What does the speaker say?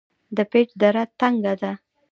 د پیج دره تنګه ده